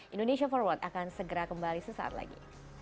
indonesia for world akan segera kembali sesaat lagi